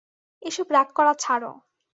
এসব রাগ করা ছাড়ো।